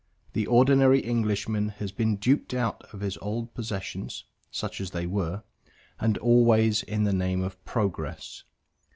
The ordinary Englishman has been duped out of his old possessions, such as they were, and always in the name of progress.